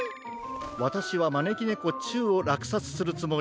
わたしはまねきねこ・中をらくさつするつもり。